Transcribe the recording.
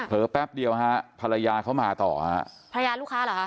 แป๊บเดียวฮะภรรยาเขามาต่อฮะภรรยาลูกค้าเหรอคะ